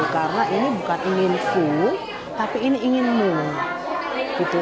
karena ini bukan inginku tapi ini inginmu